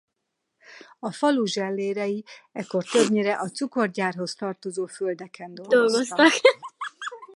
A falu zsellérei ekkor többnyire a cukorgyárhoz tartozó földeken dolgoztak.